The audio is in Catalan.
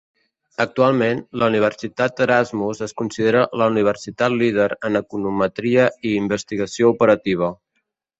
Actualment, la Universitat Erasmus es considera la universitat líder en econometria i investigació operativa.